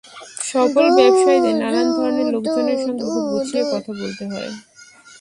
সফল ব্যবসায়ীদের নানান ধরনের লোকজনের সঙ্গে খুব গুছিয়ে কথা বলতে হয়।